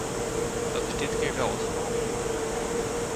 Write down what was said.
Dat is dit keer wel het geval.